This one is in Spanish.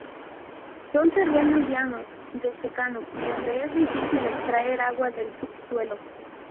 Son terrenos llanos, de secano, donde es difícil extraer agua del subsuelo.